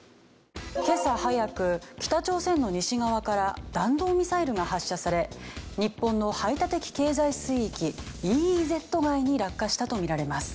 今朝早く北朝鮮の西側から弾道ミサイルが発射され日本の排他的経済水域ＥＥＺ外に落下したと見られます。